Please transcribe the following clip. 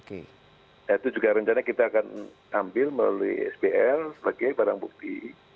nah itu juga rencana kita akan ambil melalui sbl sebagai barang bukti